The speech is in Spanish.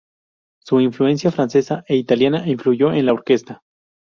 Su influencia francesa e italiana influyó en la orquesta.